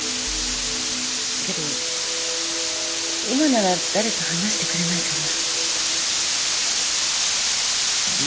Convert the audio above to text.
けど今なら誰か話してくれないかな？